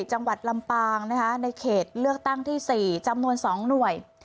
จังหวัดลำปางนะคะในเขตเลือกตั้งที่๔จำนวน๒หน่วย